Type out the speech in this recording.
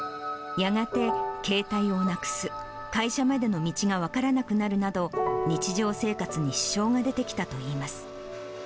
やがて携帯をなくす、会社までの道が分からなくなるなど、日常生活に支障が出てきたといいます。